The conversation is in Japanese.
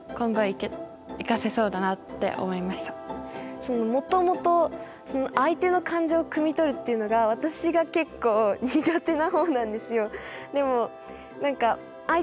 それでもともと相手の感情をくみ取るっていうのが私が結構苦手な方なんですよ。